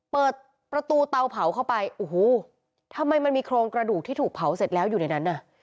เปิดประตูเตาเผาเข้าไปโอ้โหทำไมมันมีโครงกระดูกที่ถูกเผาเสร็จแล้วอยู่ในนั้นน่ะ